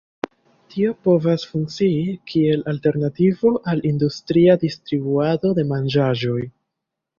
Tio povas funkcii kiel alternativo al la industria distribuado de manĝaĵoj.